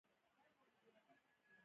د کولالۍ یوازې یو ډول تولید پاتې شو